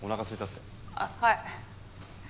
あっはい。